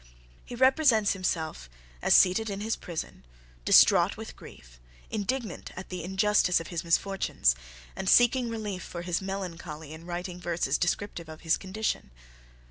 He represents himself as seated in his prison distraught with grief, indignant at the injustice of his misfortunes, and seeking relief for his melancholy in writing verses descriptive of his condition.